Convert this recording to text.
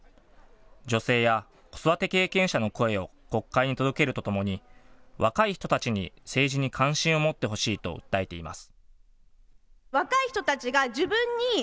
女性や子育て経験者の声を国会に届けるとともに、若い人たちに政治に関心を持ってほしいと訴えています。